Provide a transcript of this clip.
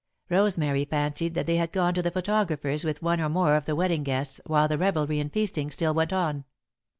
Rosemary fancied that they had gone to the photographer's with one or more of the wedding guests, while the revelry and feasting still went on.